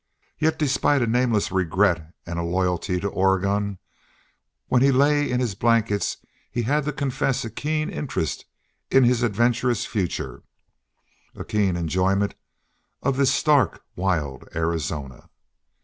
Yet despite a nameless regret and a loyalty to Oregon, when he lay in his blankets he had to confess a keen interest in his adventurous future, a keen enjoyment of this stark, wild Arizona.